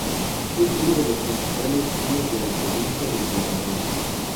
Es uno de los principales ríos de la provincia de Tarragona.